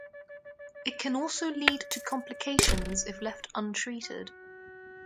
It can also lead to complications if left untreated.